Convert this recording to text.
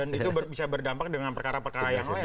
dan itu bisa berdampak dengan perkara perkara yang lain